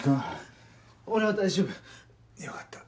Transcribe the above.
よかった。